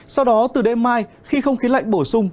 sau đó từ đêm mai khi không khí lạnh bổ sung